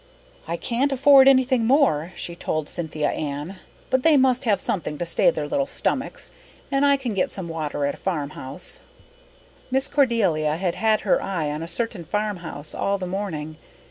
"I can't afford anything more," she told Cynthia Ann, "but they must have something to stay their little stomachs. And I can get some water at a farmhouse." Miss Cordelia had had her eye on a certain farmhouse all the morning.